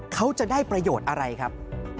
เขาจะได้ประโยชน์อะไรครับ